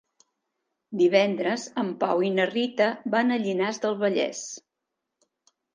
Divendres en Pau i na Rita van a Llinars del Vallès.